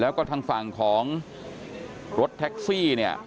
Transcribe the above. แล้วก็ทางฝั่งของรถแท็กซี่เนี่ย